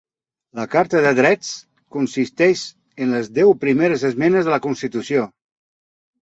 La Carta de Drets consisteix en les deu primeres esmenes a la constitució.